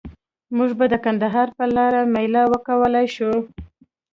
موږ به د کندهار په لاره میله وکولای شو؟